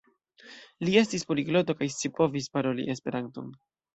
Li estis poligloto kaj scipovis paroli Esperanton.